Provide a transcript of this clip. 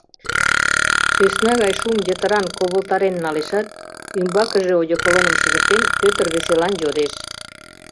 Сӧсна гай шум йытыран ковылтарен налешат, ӱмбакыже одеколоным шыжыктен, Пӧтыр веселан йодеш: